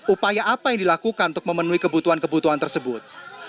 upaya apa yang dilakukan untuk memenuhi kebutuhan kebutuhan tersebut